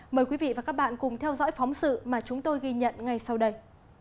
mời quý vị và các bạn cùng theo dõi phóng sự mà chúng tôi ghi nhận ngay sau đây